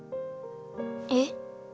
えっ？